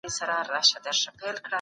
آیا پښتون یوازې په غره کي ژوند کوي؟